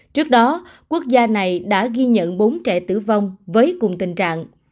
trước đó quốc gia này đã ghi nhận bốn trẻ tử vong với cùng tình trạng